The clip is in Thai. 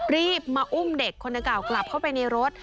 รีบมาอุ้มเด็กคนดังกล่าวกลับเข้าไปในรถ